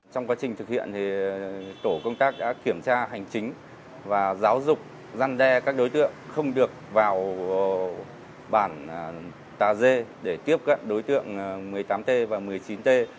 trong quá trình thực hiện tổ công tác đã kiểm tra hành chính và giáo dục giăn đe các đối tượng không được vào bản tà dê để tiếp cận đối tượng một mươi tám t và một mươi chín t